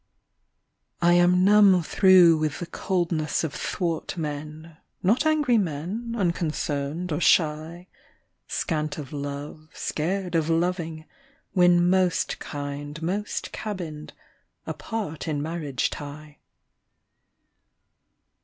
SONNET. I am numb through with the coldness of thwart men; Not angry men, unconcerned or shy, Scant of love, scared of loving, when Most kind most cabinned — apart in marriage tie.